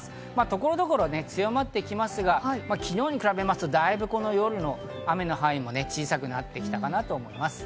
所々強まってきますが、昨日に比べますとだいぶ夜の雨の範囲は小さくなってきたかと思います。